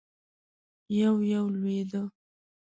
يو- يو لوېده.